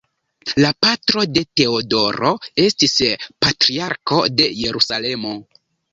La patro de Teodoro estis Patriarko de Jerusalemo.